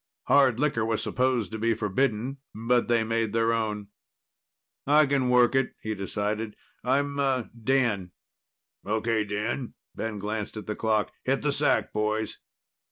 Hard liquor was supposed to be forbidden, but they made their own. "I can work it," he decided. "I'm uh Dan." "Okay, Dan." Ben glanced at the clock. "Hit the sacks, boys."